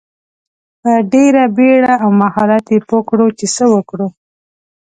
په ډیره بیړه او مهارت یې پوه کړو چې څه وکړو.